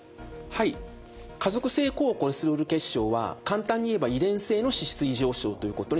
はい家族性高コレステロール血症は簡単に言えば遺伝性の脂質異常症ということになります。